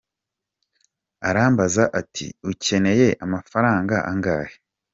Arambaza ati : ukeneye amafaranga angahe ?